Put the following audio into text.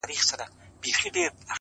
o زما په څېره كي. ښكلا خوره سي.